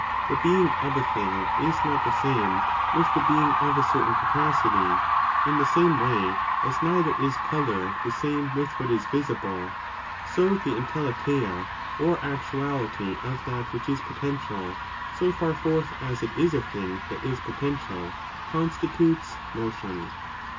SOB the being of a thing is not the same with the being of a certain capacity, in the same way as neither is colour the same with what is visible, so the entelecheia^ or actuality, of /that which is potential, so fjax forth as it is a thing that is potential, constitutes motion.